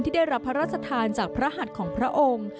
ได้รับพระราชทานจากพระหัสของพระองค์